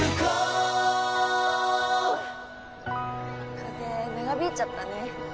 風邪長引いちゃったね。